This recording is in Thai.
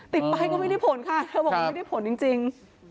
ติดป้ายก็ไม่ได้ผลค่ะเธอบอกว่าไม่ได้ผลจริง